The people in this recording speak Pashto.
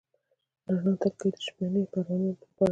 د رڼا تلکې د شپنۍ پروانو لپاره دي؟